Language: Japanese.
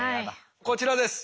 こちらです。